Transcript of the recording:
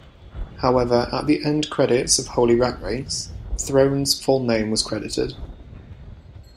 However, at the end credits of "Holy Rat Race", Throne's full name was credited.